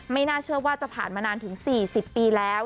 น่าเชื่อว่าจะผ่านมานานถึง๔๐ปีแล้ว